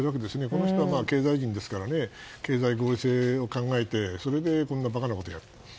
この人は経済人ですから経済合理性を考えてそれでこんな馬鹿なことをやる。